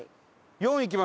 「４」いきます！